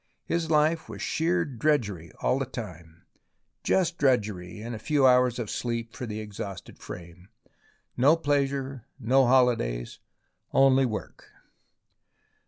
His life was sheer drudgery all the time, just drudgery and a few hours of sleep for the exhausted frame ; no pleasure, no holidays, only work.